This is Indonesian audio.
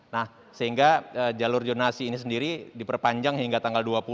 nah sehingga jalur jonasi ini sendiri diperpanjang hingga tanggal dua puluh